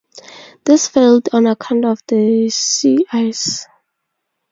This failed on account of the sea ice.